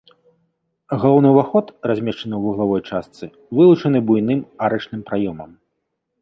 Галоўны ўваход, размешчаны ў вуглавой частцы, вылучаны буйным арачным праёмам.